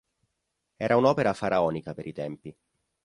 Era un'opera faraonica per i tempi.